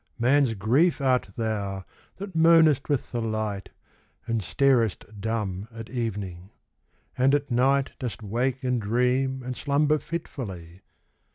Man's Grief art thou, that moanest with the light, And starest dumb at evening — and at night Dost wake and dream and slumber fitfully